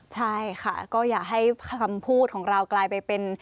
ใช่ค่ะก็อย่าให้คำพูดของเรากลายไปเป็น